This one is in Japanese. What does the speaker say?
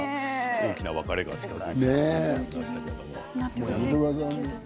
大きな別れが近づいているって。